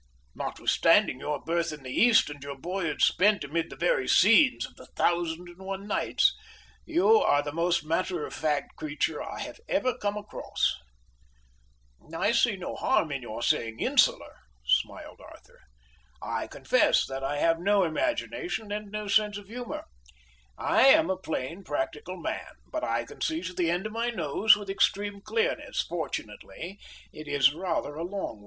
Notwithstanding your birth in the East and your boyhood spent amid the very scenes of the Thousand and One Nights, you are the most matter of fact creature I have ever come across." "I see no harm in your saying insular," smiled Arthur. "I confess that I have no imagination and no sense of humour. I am a plain, practical man, but I can see to the end of my nose with extreme clearness. Fortunately it is rather a long one."